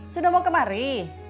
sudah mau kemari